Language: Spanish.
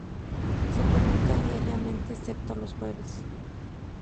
Se publicaba diariamente, excepto los jueves.